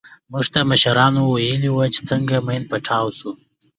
موږ ته مشرانو ويلي وو چې څنگه ماين پټاو سو.